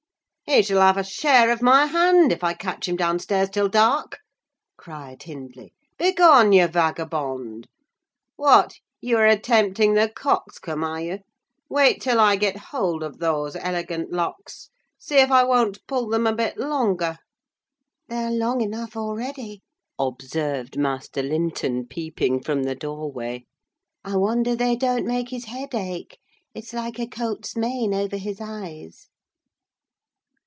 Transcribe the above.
"He shall have his share of my hand, if I catch him downstairs till dark," cried Hindley. "Begone, you vagabond! What! you are attempting the coxcomb, are you? Wait till I get hold of those elegant locks—see if I won't pull them a bit longer!" "They are long enough already," observed Master Linton, peeping from the doorway; "I wonder they don't make his head ache. It's like a colt's mane over his eyes!"